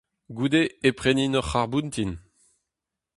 Goude e prenin ur c'harr-boutin !